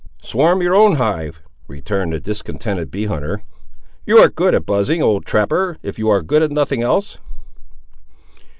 "Swarm your own hive," returned the discontented bee hunter. "You are good at buzzing, old trapper, if you are good at nothing else."